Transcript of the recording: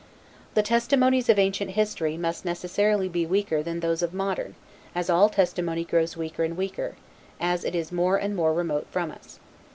The testimonies of ancient history must necessarily be weaker than those of modern, as all testimony grows weaker and weaker, as it is more and more remote from us.